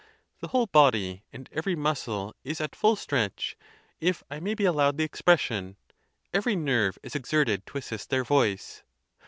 The whole body and every muscle is at full stretch, if I may be allowed the expression; every nerve is exerted to assist their voice.